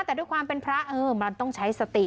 แต่ด้วยความเป็นพระเออมันต้องใช้สติ